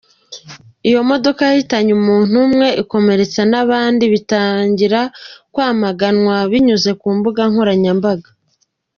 Iyo modoka yahitanye umuntu umwe ikomeretsa n’abandi, bitangira kwamaganwa binyuze ku mbuga nkoranyambaga.